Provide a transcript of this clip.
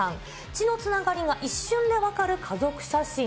血のつながりが一瞬で分かる家族写真。